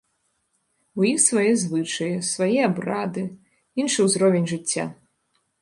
У іх свае звычаі, свае абрады, іншы ўзровень жыцця.